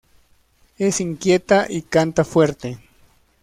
Es inquieta y canta fuerte.